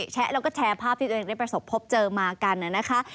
แชะแล้วก็แชร์ภาพที่ตัวเองได้ประสบพบเจอมากันนะคะ